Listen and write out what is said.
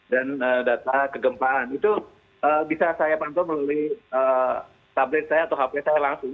dan data kegempaan itu bisa saya pantul melalui tablet saya atau hp saya langsung